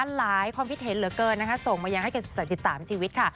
หลายความคิดเห็นเหลือเกินนะคะส่งมายังให้กับ๓๓ชีวิตค่ะ